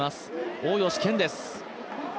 大吉賢です。